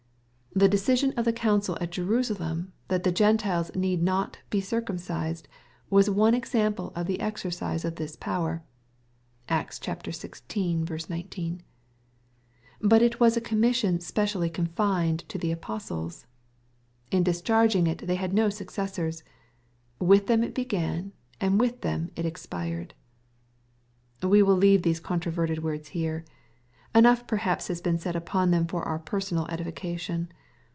The decision of the council at Jerusalem, that the Gentiles need not be cir* cumcised, was one example of the exercise of this power (Acts xvi. 19.) But it was a commission specially con* fined to the apostles. In discharging it they had no successors. With them it began, and with them it ex« pired. We will leave these controverted words here. Enough perhaps has been said upon them for our personal edifica tion.